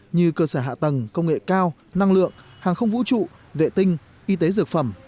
như cơ sở hạ tầng công nghệ cao năng lượng hàng không vũ trụ vệ tinh y tế dược phẩm